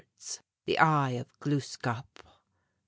The Eye of Gluskâp.